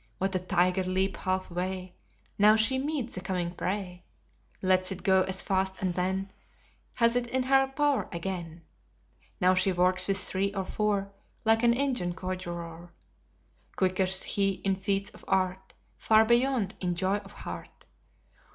With a tiger leap halfway Now she meets the coming prey, Lets it go as fast, and then Has it in her power again: Now she works with three or four. Like an Indian conjuror: Quick as he in feats of art, Far beyond in joy of heart.